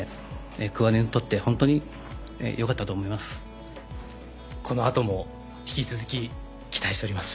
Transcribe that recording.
クアードにとって本当にこのあとも引き続き期待しております。